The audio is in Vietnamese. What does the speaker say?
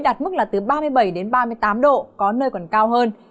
đạt mức là từ ba mươi bảy đến ba mươi tám độ có nơi còn cao hơn